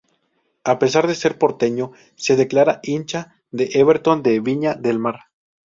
A pesar de ser porteño, se declara hincha de Everton de Viña del Mar.